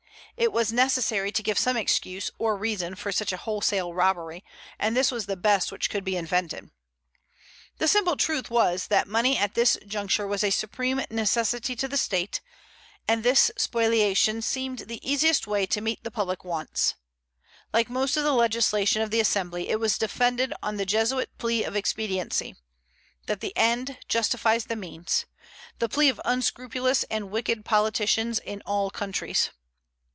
It was necessary to give some excuse or reason for such a wholesale robbery, and this was the best which could be invented. The simple truth was that money at this juncture was a supreme necessity to the State, and this spoliation seemed the easiest way to meet the public wants. Like most of the legislation of the Assembly, it was defended on the Jesuit plea of expediency, that the end justifies the means; the plea of unscrupulous and wicked politicians in all countries.